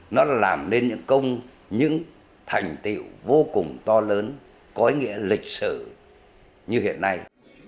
nó làm nên những thành tiệu vô cùng to lớn có ý nghĩa lịch sử như hiện nay